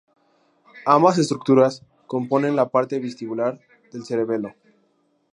Ambas estructuras componen la parte vestibular del cerebelo.